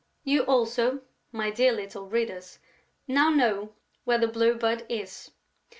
You also, my dear little readers, now know where the Blue Bird is.